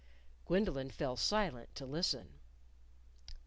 Gwendolyn fell silent to listen.